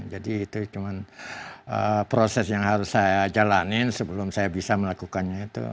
jadi itu cuma proses yang harus saya jalanin sebelum saya bisa melakukannya itu